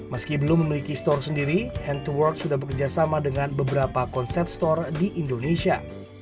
meski belum memiliki store sendiri hentuworks sudah bekerjasama dengan beberapa konsep store di indonesia